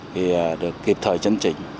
thì được kịp thời chân trình